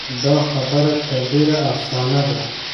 دا خبره تر ډېره افسانه ده.